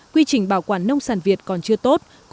quy trình bảo quản nông sản việt còn chưa tốt